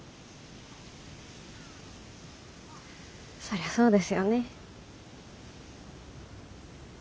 そりゃそうですよね。